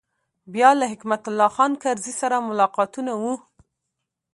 بیا له حکمت الله خان کرزي سره ملاقاتونه و.